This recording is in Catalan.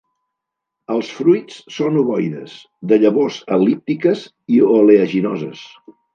Els fruits són ovoides de llavors el·líptiques i oleaginoses.